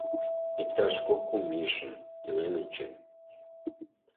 — Иктаж кок-кум ийжым илен ончем.